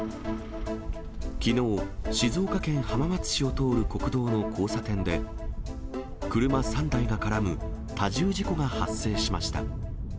きのう、静岡県浜松市を通る国道の交差点で、車３台が絡む多重事故が発生しました。